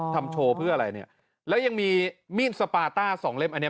ทำโชว์เพื่ออะไรเนี่ยแล้วยังมีมีดสปาต้าสองเล่มอันนี้